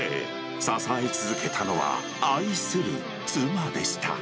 支え続けたのは、愛する妻でした。